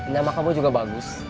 nama kamu juga bagus